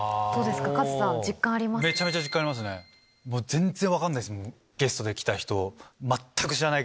全然分かんないっすもん。